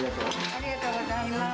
ありがとうございます。